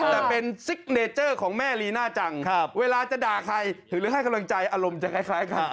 แต่เป็นซิกเนเจอร์ของแม่ลีน่าจังเวลาจะด่าใครหรือให้กำลังใจอารมณ์จะคล้ายกัน